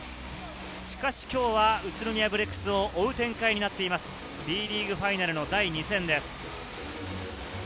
しかし今日は宇都宮ブレックスを追う展開になっています、Ｂリーグファイナルの第２戦です。